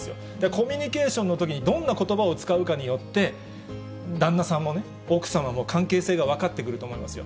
コミュニケーションのときに、どんなことばを使うかによって、旦那さんもね、奥様も関係性が分かってくると思いますよ。